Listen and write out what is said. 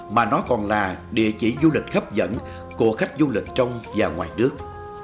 mà nó còn là địa chỉ du lịch hấp dẫn của khách du lịch trong và ngoài nước